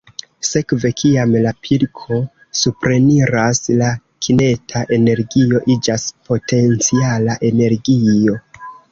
Sekve, kiam la pilko supreniras, la kineta energio iĝas potenciala energio.